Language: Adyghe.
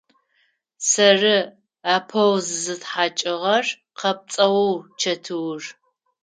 Сэры апэу зызытхьакӏыгъэр! – къэпцӏэугъ Чэтыур.